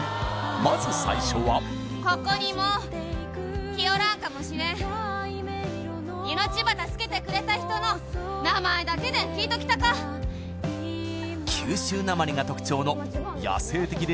まず最初はここにもう来よらんかもしれん命ば助けてくれた人の名前だけでん聞いときたか九州なまりが特徴の野性的でチャーミングな女の子